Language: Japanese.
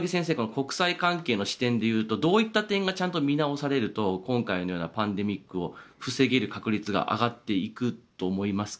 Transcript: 国際関係の視点でいうとどういった点がちゃんと見直されると今回のようなパンデミックを防げる確率が上がっていくと思いますか。